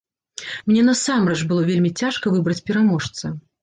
Мне насамрэч было вельмі цяжка выбраць пераможца.